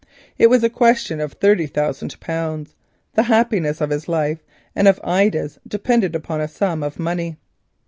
It was a question of thirty thousand pounds; the happiness of his life and of Ida's depended upon a sum of money.